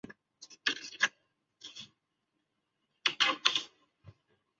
蕾哈娜和拉沙佩勒以一笔未知数量的钱平息了这件事情。